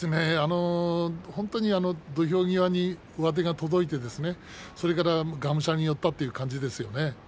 本当に土俵際に上手が届いてそれから、がむしゃらに寄ったという感じですよね。